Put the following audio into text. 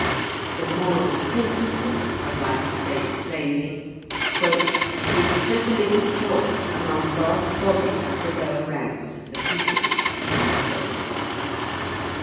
The moral principle, a writer states plainly, 'is totally destroyed among a vast body of the lower ranks of the people.'